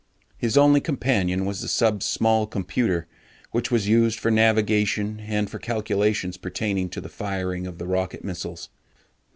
His only companion was the sub's small computer which was used for navigation and for calculations pertaining to the firing of the rocket missiles.